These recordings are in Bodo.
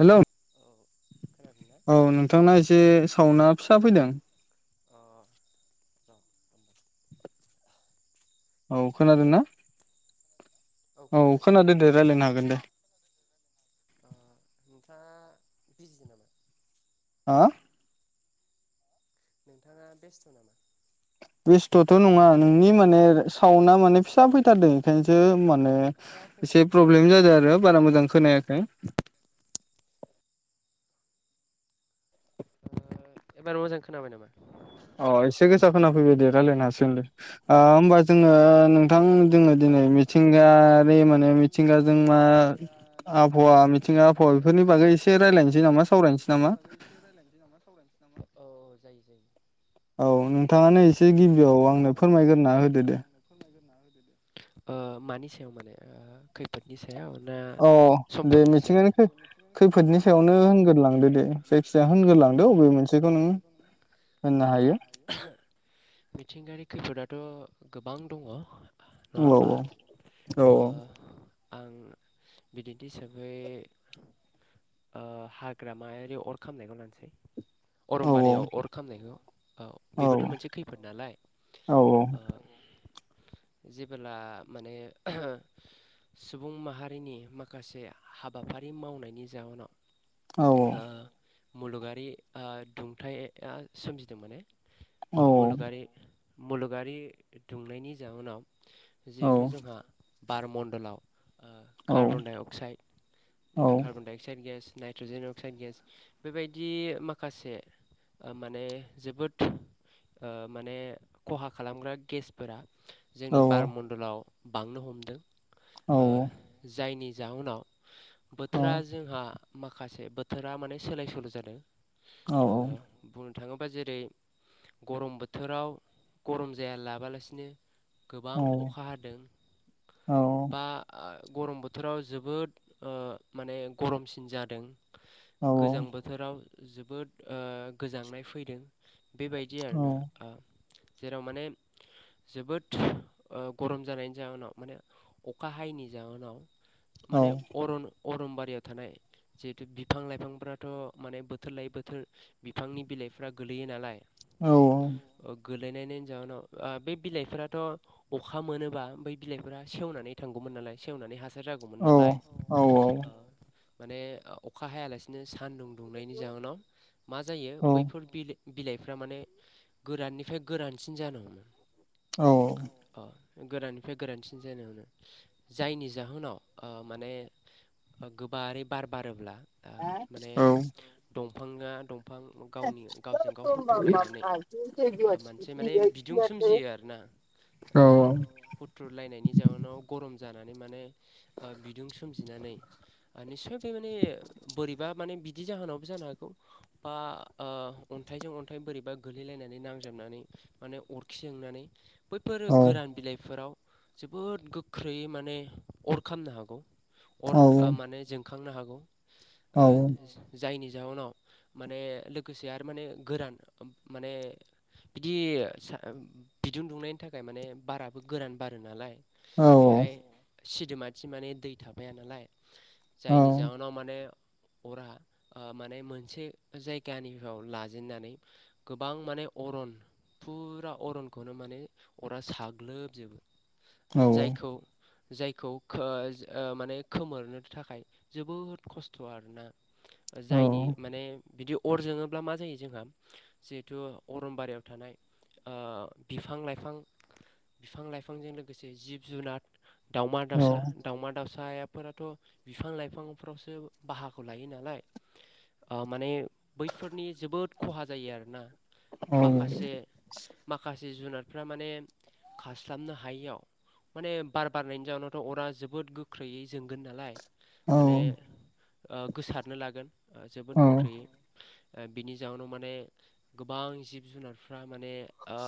हेलौ औ नोंथांना एसे सावना फिसा फैदों? अ औ खोनादों ना? औ खोनादों दे रायज्लायनो हागोन दे। नोंथाङा बिजि नामा? हो? नोंथाङा बेस्थ' नामा? बेस्थ'थ' नङा नोंनि माने साउना माने फिसा फैथारदों बेखायनोसो मा ने एसे प्रब्लेम जादों आरो बारा मोजां खोनायाखै। एबार मोजां खोनाबाय नामा? अ एसे गोसा खोना फैबाय दे। रायलायनो हासिगोनदे ओ होमबा जोङो नोंथां जोङो दिनै मिथिंगायारि माने मिथिंगाजों मा आबहावा मिथिंगा आबहावा बेफोरनि बागै एसे रायजलायनोसै नामा सावरायनोसै नामा बेफोरनि बागै एसे रायजलायनोसै नामा सावरायनोसै नामा औ जायो जायो। औ नोंथाङानो एसे गिबियाव आंनो फोरमायगोरना होदो दे। ओ मानि सायाव माने ओ खैफोदनि सायाव अ दे मिथिंगानि खैफोदनि सायावनो होनग्रोलांदो दे जायखिजाया [unintelligible] होनना हायो। मिथिंगायारि खैफोदाथ' गोबां दङ। नङा ओमबा ओ आं बिदिथि हिसाबै ओ हाग्रामायारि अर खामनायखौ लानोसै। अरमबारियाव अर खामनायखौ औ बेबोथ' मोनसे खै नालाय जेबोब्ला माने सुबुं माहारिनि माखासे हाबाफारि मावनायनि जाउनाव ओ मुलुगारि ओ दुंथाया सोमजिदों माने। औ। मुलुगारि दुंनायनि जाउनाव जिहेथु जोंहा बार मण्डलाव ओ carbon dioxide carbon dioxide gas nitrogen oxide gas बेबायदि माखासे ओ माने जोबोद ओ माने खहा खालामग्रा गेसफोरा जोंनि बारमणडलाव बांनो हमदों ओ जायनि जाउनाव बोथोरा जोंहा माखासे बोथोरा माने सोलाय सोल' जादों। ओ बुंनो थाङोबा जेरै गरम बोथोराव गरम जाया लाबालासिनो गोबां अखा हादों बा गरम बोथोराव जोबोद ओ माने गरमसिन जादों। गोजां बोथोराव जोबोद ओ गोजांनाय फैदों बेबाय दि आरोना ओ जेराव माने जोबोद ओ गरम जानायनि जाहोनाव माने अखा हायैनि जाहोनाव माने अरन अरमबारियाव थानाय जिहेथु बिफां लाइफांफ्राथ' माने बोथोर लायै बोथोर बिफांनि बिल लाइफ्रा गोलैयो नालाय। औ औ। गोगलैनायनि जााहोनाव ओ बे बिलाइफोराथ' अखा मोनोबा बै बिलाइफोरा सेवनानै थांगौमोन नालाय सेवनानै हास औ ओ औ। माने अ अखा हायालासिनो सानदुं दुंनायनि जाहोनाव मा जायो बैफोर बिल बिलाइफ्रा माने गोराननिफ्राय गोरानसिन जानो हमो। औ। गोराननिफ्राय गोरानसिन जानो मोनो जायनि जाहोनाव ओ माने गोबारै बार बारोब्ला ओ माने दंफाङा दंफां गावनि गावजों गाव [unintelligible] माने हुथ्रुलायनायनि जउनाव गरम दानानै माने ओ बिदुं सोमजिनानै माने सो बे माने बोरैबा माने बिदि जाहोनावबो जानो हागौ आ आ अन्थाइजों ओमफाय बोरैबा गोलैलायनानै नांजाबनानै माने अरखि जोंनानै बैफोरो गोरान बिलाइफोराव जोबोद गोख्रैयै माने अर खनो हागौ अर' माने जोंखांनो हागौ ओ जायनि जाउनाव माने लोगोसे आरो माने गोरान माने बिदि सा बिदुं दुंनायनि थाखाय माने बाराबो गोरान बार नालाय बेहाय सिदोमाथि माने दै थाफाय नालाय जायनि जाउनाव माने अरा ओ माने मोनसे जायगानिहैउ लाजेननानै गोबां माने अर'न फुरा अर'नखौनो माने अरा साग्लोबजोबो जायखौ जायखौ खो ओ माने खोमोरनो थाखाय जोबोद खस्थ' आरोना। जायनि माने बिदि अर' जोङोब्ला मा जायो जोंहा जिहेथु अरनबारियाव थानाय ओ बिफां लाइफां बिफां लाइफांजों लोगोसे जिब जुराद दावउमा दाउसा दावउमा दाउसा सायाफोराथ' बिफां लाइफांफोरावसो बाहागो लायो नालाय। ओ माने बैफोरनि जोबोद खहा जायो आरोना। औ। जि जुनारफ्रा माने खारस्लाबनो हायियाव माने बार बारनायनि जाउनावथ' अरा जोबोद गोख्रैयै जोंगोन नालाय। माने ओ गोसारनो लागोन जोबोद गोख्रैयै बिनि जाउनाव माने गोबां जिब जुनारफ्रा माने ओ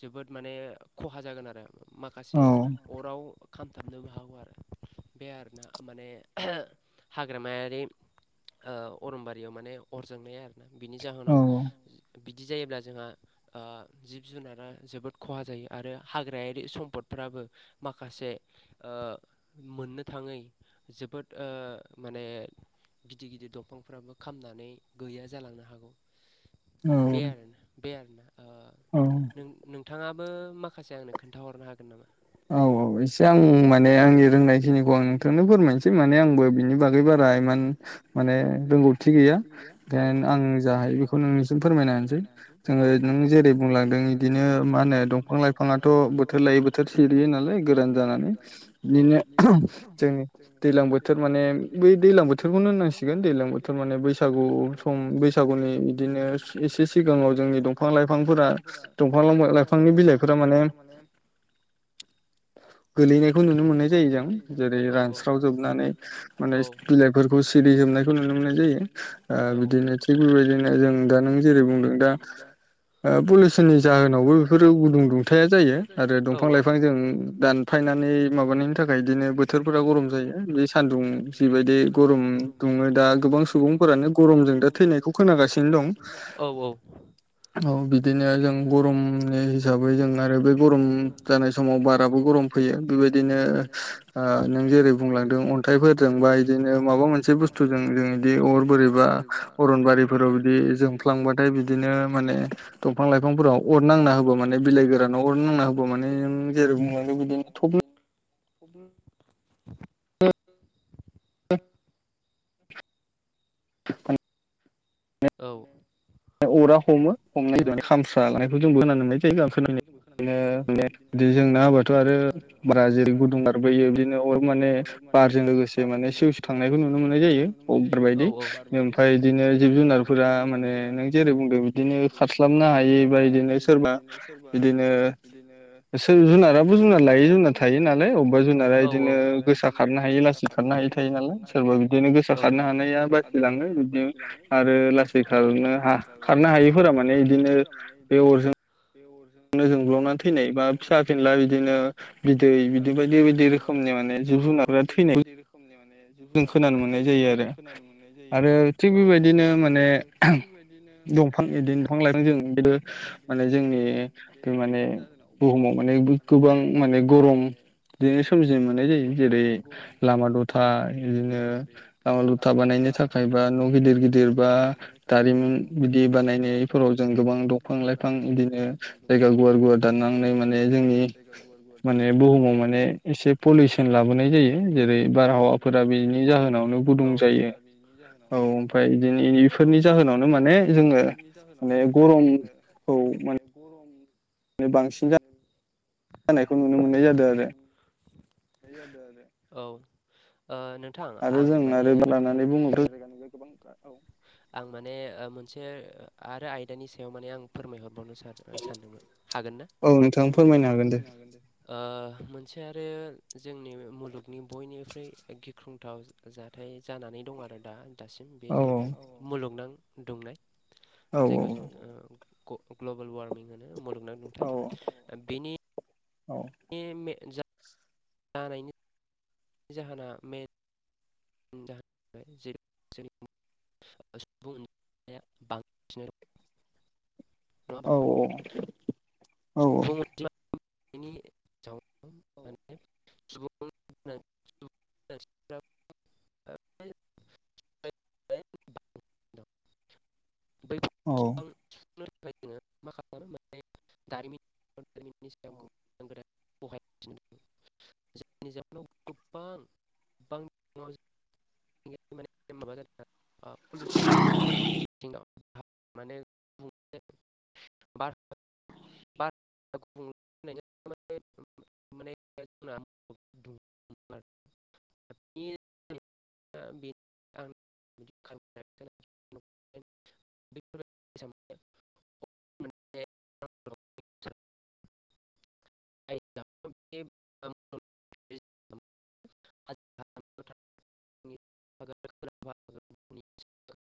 जोबोद माने खहा जागोन आरो माखासे अराव खामथाबनोबो हागौ आरो बे आरोना माने हाग्रामायारि ओ अर'बारियाव माने अर जोंनाया आरो ना बिनि जाहोनाव बिदि जायोब्ला जोंहा ओ जिब जुनारा जोबोद खहा जायो आरो हाग्रायारि सम्पद फ्रा ब्लाबो माखासे ओ मोननो थाङै जोबोद ओ माने गिदिर गिदिर दंफांफ्राबो खामनानै गैया। जालांनो हागौ बे आरोना बे आरोना। औ। नोंथाङाबो माखासे आंनो खोन्थाहरनो हागोन नामा? औ एसे आं माने आंनि रोंनायखिनिखौ आं नोंथांनो फोरमायनोसै माने आंबो बिनि बागै बारा इमान माने रोंगौथि गैया। एन्द आं जा हायो बेखौ नोंनिसिम फोरमायना होनसै जोङो नों जेरै' बुंलांदों बिदिनो मा होन ऐ दंफां लाइफांथ' बोथोर लायो बोथोर सिरियो नालाय गोरान गोरान बिदिनो जों दैलां बोथोर माने बै दैलां बोथोरखौनो होननांसिगोन दैलां बोथोर माने बैसागु औ सम बैसागुनि बिदिनो से एसे सिगाङाव जोंनि दंफां लाइफांफोरा दंफांआव मोन [unintelligible] लाइफांनि बिलाइखौ आ माने गोलैनायखौ नुनो मोन्नाय जायो जों जेरै रानस्राव जोबनानै माने बिलाइफोरखौ सिरि होब नायखौ नुनो मोननाय जायो आह बिदिनो थिग बेबायदिनो जों दा नों जेरै बुंदों दा पलिउसननि जाहोनावबो बेफोरो गुदुं दुंथाया जायो आरो दंफां लाइफां जों दानफायनानै नै माबानायनि थाखाय बिदिनो बोथोरफोरा गरम जायो सान्दुं जिबायदि गरम दुङो दा ङो दा गोबां सुबुंफोरानो गरमजों दा थैनायखौ खोनागासिनो दं औ औ औ बिदिनो जों गरमनि हिसाबै जों आरो बे गरम जानाय समाव बार आबो गरम फैयो बेबायदि। दिनो ओ नों जेरै बुंलांदों अन्थाइफोरजों बा बिदिनो माबा मोनसे बुस्थुजों जों- बिदि अर बोरैबा अरन बारिफोराव बिदि जोंफ्लांबाथाय बिदिनो माने दंफां-ला लाइफांफोराव अर नांना होबा माने बिलाइ गोरानाव अर नांना होबा माने जेरै [unintelligible] [unintelligible] औ अरा हमो हमनाय खामस्रा लानायखौ जोंबो होना [unintelligible] बिदि जोंना होबाथ' आरो बारा जेरै गुदुं बारबोयो बिदिनो अर माने बारजों लोगोसे माने सिउ सिउ थांनायखौ नुनो मोननाय जायो [unintelligible] बायदि ओंखाय इदिनो जिब जुनारफोरा माने नों- जेरै बुंदों बिदिनो खारस्लाबनो हायै बा बिदिनो सोरबा बिदिनो - ब जुनारा बुजिना लायो होन्ना थायो नालाय अबेबा जुनारा इदिनो गोसा खारनो हायो लासै खारनो हायो थायो। लाय सोरबा बिदिनो गोसो खारनो हानाया बासिलाङो बिद नों लासै खारनो [unintelligible] खारनो हायैफोरा माने बिदिनो बे अरजों नो जोंब्लावनानै थैनाय बा फिसा-फिनला बिदिनो बिदै बिदि बायदि बायदि रोखोमनि बिदै बिदि बायदि बायदि रोखोमनि बे जिब-जुनारफोरा थैनायखौ जों खोनानो मोननाय जायो आरो। औ माने दफां बिदि दफां लायफां जों नुबोदो माने जोंनि माने बुहुमाव माने गोबां माने गरम बिदिनो सोमजिनो मोननाय जायो जेरै- लामा दथा बिदिनो लामा दथा बानायनो थाखाय बा न' गिदिर गिदिर बा दारिमिन बिदि बानायनायफोराव जों गोबां दंफां-लाइफां बिदिनो जायगा- गुवार गुवार दाननानै माने जोंनि माने बुहुमाव माने एसे पलिउसन लाबोनाय जायो। जेरै बारहावाफोरा बिनि जाहोनावनो गुदुं जायो औ ओमफ्राय बिदिनो नि बेफोरनि जाहोनाव नो माने जोंओ माने गरम [inaudible] गरम बांसिन बांसिन जानायखौ नुनो मोननाय जादों आरो औ ओ नोंथां आं माने [unintelligible] जायगा जायगानिफ्राय गोबां औ आं माने मोनसे आरो आयदानि सायाव माने आं फोरमायहर बावनो सान-सानदोंमोन हागोन ना औ नोंथां फोरमायनो हागोन दे। ओ मोनसे आरो जोंनि मुलुगनि बयनिख्रुइ गिख्रंथाव जाथाय जानानै दं आरो दा दासिम बे जाहैबाय मुलुगनां दुंनाय जायखौ जों ग्लबेल वारमिं मुलुगनां दुंथाय बेनि नि मेइन [unintelligible] जानायनि [unintelligible] जाहोना जाहोना जेरै सुबुं अनजिमाया बांसिन [unintelligible] औ औ सुबुं अनजिमा नायनि जाहोनाव [unintelligible] [inaudible] [unintelligible] औ [unintelligible] [unintelligible] जायनि जाउनाव गोबां [unintelligible] [unintelligible] बार [unintelligible] [unintelligible] [unintelligible] [unintelligible] [unintelligible]